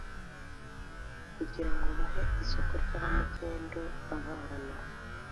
kugira ngo bahe isoko rya magendu abana